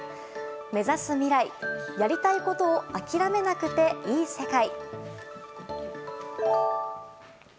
目指す未来、やりたいことを諦めなくていい世界。